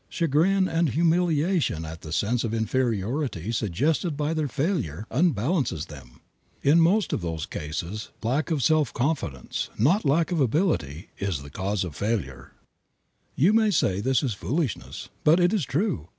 Chagrin and humiliation at the sense of inferiority suggested by their failure unbalances them. In most of those cases lack of confidence, not lack of ability, is the cause of failure. You may say this is foolishness, but it is true.